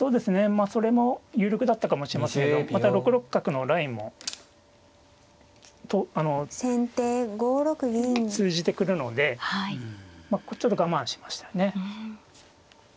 まあそれも有力だったかもしれませんがまた６六角のラインも通じてくるのでここちょっと我慢しましたね。